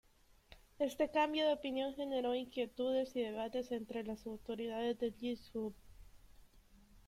Este cambio de opinión generó inquietudes y debates entre las autoridades del Yishuv.